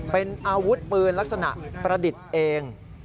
เป็นอาวุธปืนลักษณะประดิษฐ์เอง